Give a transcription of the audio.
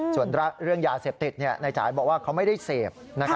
ส่วนเรื่องยาเสพติดนายจ่ายบอกว่าเขาไม่ได้เสพ